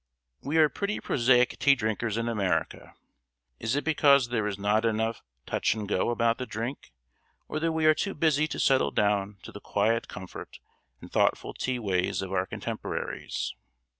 We are pretty prosaic tea drinkers in America. Is it because there is not enough "touch and go" about the drink, or that we are too busy to settle down to the quiet, comfort, and thoughtful tea ways of our contemporaries?